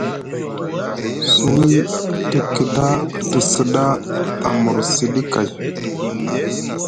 Suwi te kiɗa te sda amursiɗi kay.